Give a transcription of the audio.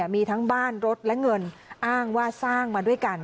มีทั้งบ้านรถและเงินอ้างว่าสร้างมาด้วยกัน